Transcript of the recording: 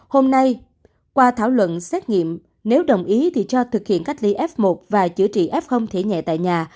hôm nay qua thảo luận xét nghiệm nếu đồng ý thì cho thực hiện cách ly f một và chữa trị f thể nhẹ tại nhà